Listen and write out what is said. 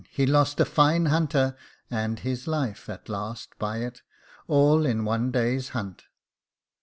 he lost a fine hunter and his life, at last, by it, all in one day's hunt.